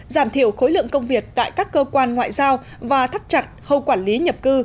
giảm thiểu khối lượng công việc tại các cơ quan ngoại giao và thắt chặt khâu quản lý nhập cư